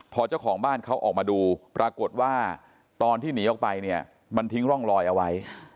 พอเจ้าของบ้านเขาออกมาดูปรากฏว่าตอนที่หนีออกไปเนี่ยมันทิ้งร่องลอยเอาไว้